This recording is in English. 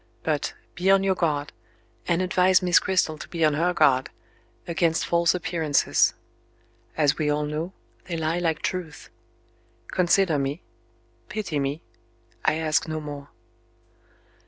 But, be on your guard, and advise Miss Cristel to be on her guard, against false appearances. As we all know, they lie like truth. Consider me. Pity me. I ask no more."